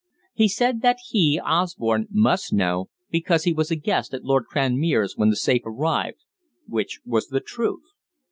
He said that he, Osborne, must know, because he was a guest at Lord Cranmere's when the safe arrived which was the truth.